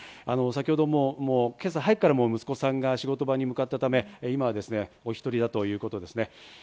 先ほども今朝早くから息子さんが仕事場に向かったため今、お１人だということですね。